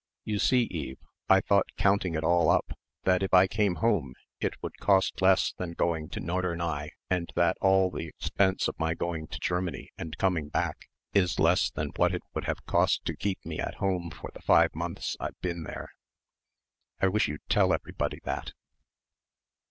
"You see, Eve, I thought counting it all up that if I came home it would cost less than going to Norderney and that all the expense of my going to Germany and coming back is less than what it would have cost to keep me at home for the five months I've been there I wish you'd tell everybody that."